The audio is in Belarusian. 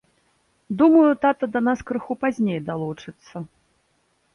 Думаю, тата да нас крыху пазней далучыцца.